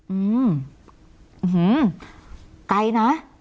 อื้อหือไกลนะ